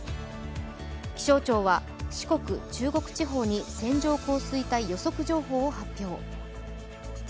気象庁は、四国・中国地方に線状降水帯予測情報を発表。